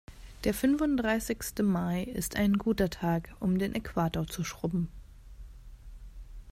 Der fünfunddreißigste Mai ist ein guter Tag, um den Äquator zu schrubben.